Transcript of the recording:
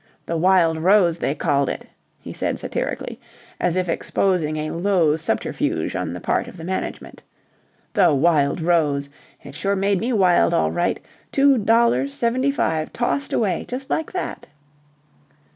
'The Wild Rose,' they called it," he said satirically, as if exposing a low subterfuge on the part of the management. "'The Wild Rose!' It sure made me wild all right. Two dollars seventy five tossed away, just like that."